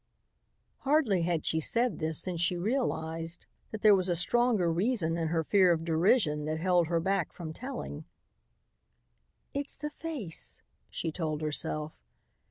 Hardly had she said this than she realized that there was a stronger reason than her fear of derision that held her back from telling. "It's the face," she told herself.